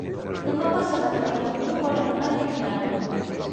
Demà passat na Tanit i en Bru volen anar a Llimiana.